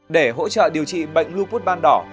để hỗ trợ điều trị bệnh lupus ban đỏ